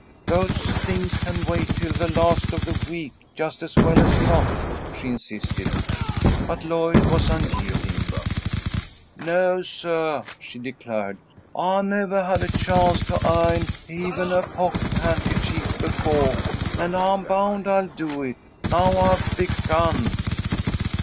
"Those things can wait till the last of the week just as well as not," she insisted. But Lloyd was unyielding. "No, suh," she declared. "I nevah had a chance to i'on even a pocket handkerchief befoah, and I'm bound I'll do it, now I've begun."